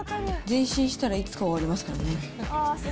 前進したらいつかは終わりますからね。